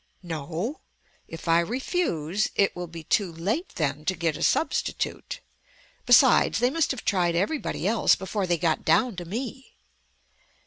"No; if I refuse, it will be too late then to get a substitute. Besides, they must have tried everybody else before they got down to me...